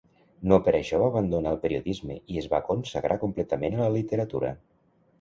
No per això va abandonar el periodisme i es va consagrar completament a la literatura.